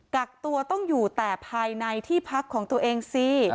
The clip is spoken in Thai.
กักตัวต้องอยู่แต่ภายในที่พักของตัวเองสิ